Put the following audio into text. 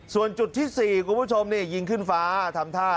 ส่วนจุดที่๔คุณผู้ชมนี่ยิงขึ้นฟ้าทำท่า